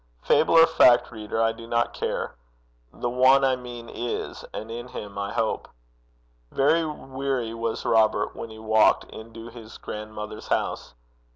Fable or fact, reader, I do not care. The One I mean is, and in him I hope. Very weary was Robert when he walked into his grandmother's house.